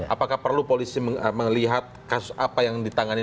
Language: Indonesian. apakah perlu polisi melihat kasus apa yang ditangani